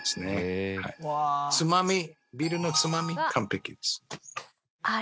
つまみビールのつまみ完璧です。